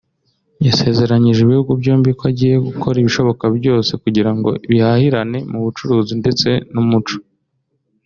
yasezeranyije ibihugu byombi ko agiye gukora ibishoboka byose kugira ngo bihahirane mu bucuruzi ndetse n’umuco